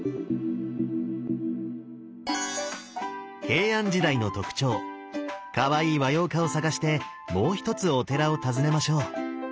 平安時代の特徴かわいい和様化を探してもう一つお寺を訪ねましょう。